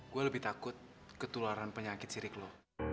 gue lebih takut ketularan penyakit sirik lo